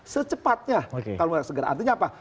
secepatnya kalau mau segera artinya apa